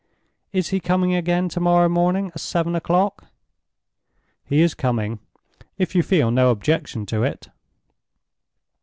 Is he coming again tomorrow morning at seven o'clock?" "He is coming, if you feel no objection to it."